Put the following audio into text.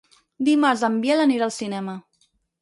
Dimarts en Biel anirà al cinema.